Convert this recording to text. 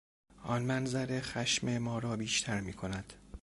آن منظره خشم ما را بیشتر میکند.